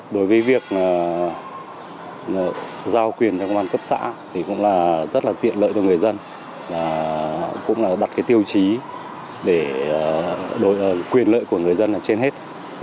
đối với việc giao quyền cho công an cấp xã thì cũng là rất là tiện lợi cho người dân cũng là đặt cái tiêu chí để quyền lợi của người dân là trên hết